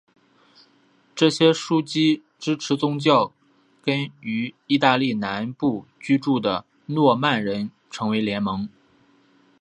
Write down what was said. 这些枢机支持教宗跟于意大利南部居住的诺曼人成为联盟。